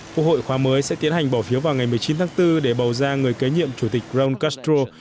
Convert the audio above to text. quốc hội khóa mới sẽ tiến hành bỏ phiếu vào ngày một mươi chín tháng bốn để bầu ra người kế nhiệm chủ tịch gron castro